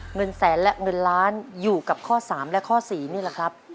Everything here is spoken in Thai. เงินแสนและเงินล้านอยู่กับข้อ๓และข้อ๔นี่แหละครับ